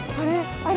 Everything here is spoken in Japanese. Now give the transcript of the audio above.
あれ！